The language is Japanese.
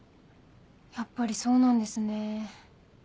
やっぱりそうなんですね。